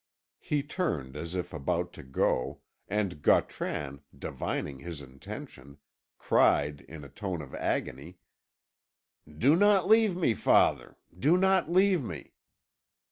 He turned as if about to go, and Gautran, divining his intention, cried in a tone of agony: "Do not leave me, father, do not leave me!"